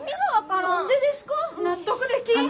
納得できん。